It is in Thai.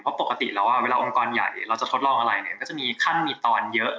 เพราะปกติแล้วเวลาองค์กรใหญ่เราจะทดลองอะไรเนี่ยก็จะมีขั้นมีตอนเยอะ